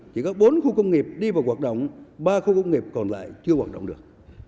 chỉ có bốn khu công nghiệp đi vào hoạt động ba khu công nghiệp còn lại chưa hoạt động được